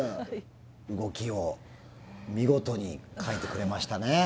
動きを見事に描いてくれましたね。